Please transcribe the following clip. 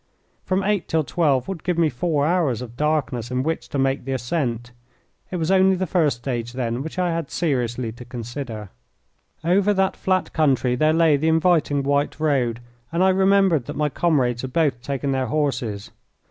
From eight till twelve would give me four hours of darkness in which to make the ascent. It was only the first stage, then, which I had seriously to consider. Over that flat country there lay the inviting white road, and I remembered that my comrades had both taken their horses.